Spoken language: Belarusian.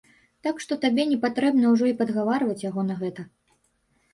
Так што табе не патрэбна ўжо і падгаварваць яго на гэта.